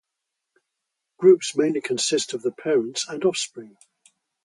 Groups mainly consist of the parents and offspring.